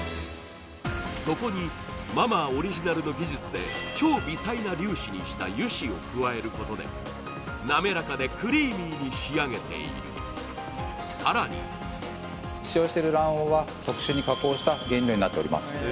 そこにマ・マーオリジナルの技術で超微細な粒子にした油脂を加えることで滑らかでクリーミーに仕上げているさらに使用してる卵黄は特殊に加工した原料になっております